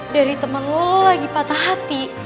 dari temen lu lu lagi patah hati